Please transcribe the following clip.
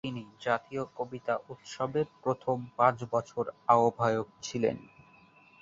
তিনি জাতীয় কবিতা উৎসবের প্রথম পাঁচ বছর আহ্বায়ক ছিলেন।